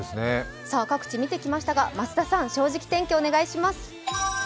各地、見てきましたが増田さん、「正直天気」お願いします。